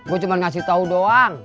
gue cuma ngasih tahu doang